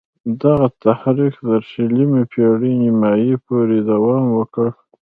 دغه تحریک تر شلمې پېړۍ نیمايی پوري دوام وکړ.